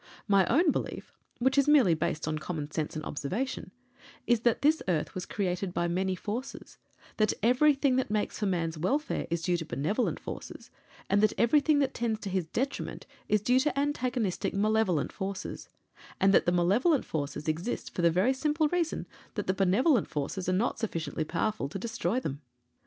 My own belief, which is merely based on common sense and observation, is that this earth was created by many Forces that everything that makes for man's welfare is due to Benevolent Forces; and that everything that tends to his detriment is due to antagonistic Malevolent Forces; and that the Malevolent Forces exist for the very simple reason that the Benevolent Forces are not sufficiently powerful to destroy them.